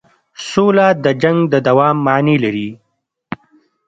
سوله د جنګ د دوام معنی لري.